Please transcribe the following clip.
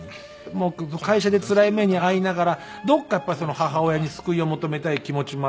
会社でつらい目に遭いながらどこかやっぱり母親に救いを求めたい気持ちもあって。